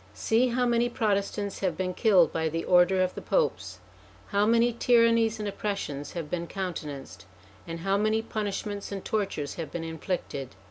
See how many Protestants have been killed by the order of the Popes. How many tyrannies and oppressions have been countenanced, and how many punishments and tortures have been inflicted